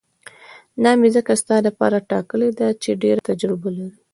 دا مې ځکه ستا دپاره ټاکلې ده چې ډېره تجربه لري.